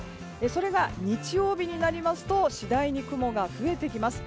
それが日曜日になりますと次第に雲が増えてきます。